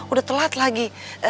udah telat lagi